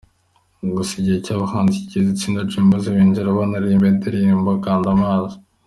Gusa igihe cy’abahanzi kigeze, itsinda Dream Boyz binjira baririrmba indirimbo ‘Kanda amazi’.